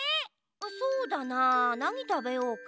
そうだななにたべようか？